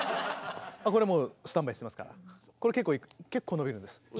これもうスタンバイしてますからこれ結構伸びるんです！